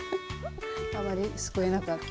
あまりすくえなかった。